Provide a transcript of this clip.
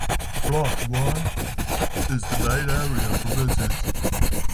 Block I is the main area for visits.